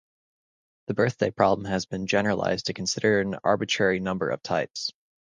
The birthday problem has been generalized to consider an arbitrary number of types.